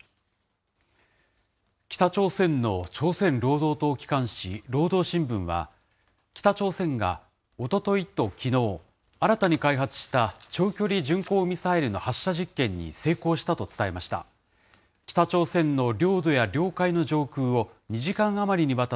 北朝鮮の朝鮮労働党機関紙、労働新聞は、北朝鮮がおとといときのう、新たに開発した長距離巡航ミサイルの発射実験に成功したと伝えました。